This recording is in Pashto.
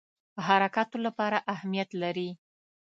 حرکاتو لپاره اهمیت لري.